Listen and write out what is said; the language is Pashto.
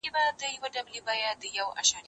زه به تکړښت کړي وي؟!